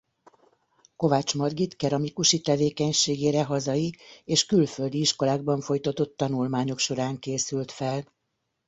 Kovács Margit keramikusi tevékenységére hazai és külföldi iskolákban folytatott tanulmányok során készült fel.